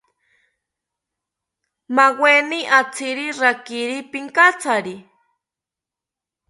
Maweni atziri rakiri pinkatsari